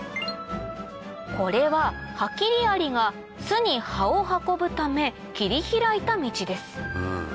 これはハキリアリが巣に葉を運ぶため切り開いた道です